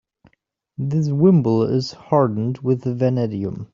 This wimble is hardened with vanadium.